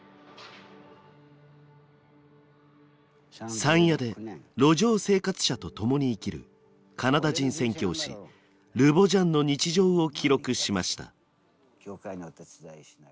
山谷で路上生活者と共に生きるカナダ人宣教師ルボ・ジャンの日常を記録しました。